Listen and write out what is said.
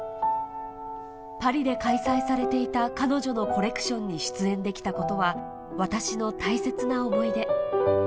パリで開催されていた彼女のコレクションに出演できたことは、私の大切な思い出。